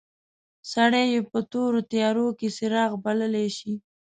سړی یې په تورو تیارو کې څراغ بللای شي.